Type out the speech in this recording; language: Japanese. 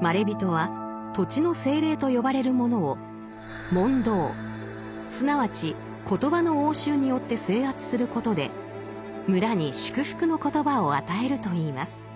まれびとは土地の精霊と呼ばれる者を「問答」すなわち言葉の応酬によって制圧することで村に祝福の言葉を与えるといいます。